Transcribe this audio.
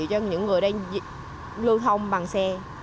nó chịu cho những người đang lưu thông bằng xe